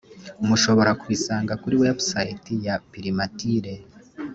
mushobora kubisanga kuri website ya primature